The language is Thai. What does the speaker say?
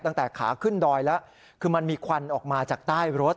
ตั้งแต่ขาขึ้นดอยแล้วคือมันมีควันออกมาจากใต้รถ